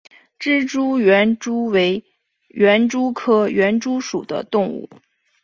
松林园蛛为园蛛科园蛛属的动物。